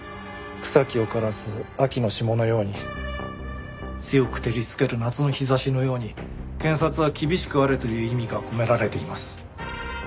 「草木を枯らす秋の霜のように強く照りつける夏の日差しのように検察は厳しくあれ」という意味が込められています。